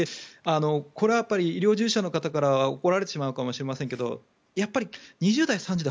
これは医療従事者の方から怒られてしまうかもしれませんがやっぱり、２０代、３０代